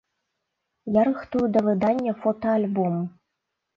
Я рыхтую да выдання фотаальбом.